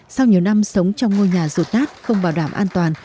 sau nhiều năm sống trong ngôi nhà rụt nát không bảo đảm an toàn